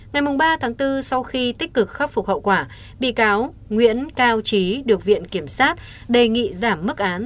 ngày ba bốn sau khi tích cực khắc phục hậu quả bị cáo nguyễn cao trí được viện kiểm sát đề nghị giảm mức án